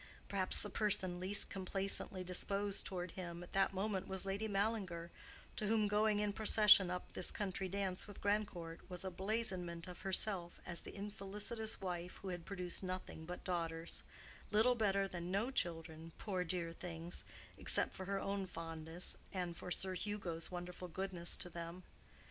Perhaps the person least complacently disposed toward him at that moment was Lady Mallinger, to whom going in procession up this country dance with Grandcourt was a blazonment of herself as the infelicitous wife who had produced nothing but daughters, little better than no children, poor dear things, except for her own fondness and for Sir Hugo's wonderful goodness to them.